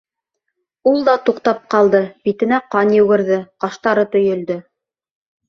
Ул да туҡтап ҡалды, битенә ҡан йүгерҙе, ҡаштары төйөлдө.